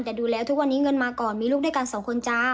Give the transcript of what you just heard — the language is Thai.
แต่ดูแล้วทุกวันนี้เงินมาก่อนมีลูกด้วยกันสองคนจ้า